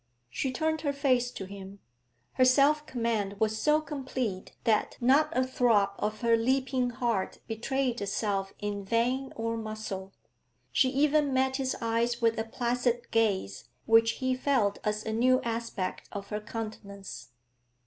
She turned her face to him. Her self command was so complete that not a throb of her leaping heart betrayed itself in vein or muscle. She even met his eyes with a placid gaze which he felt as a new aspect of her countenance.